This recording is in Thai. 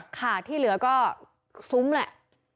ค่ะที่เหลือก็ซุ้มแหละ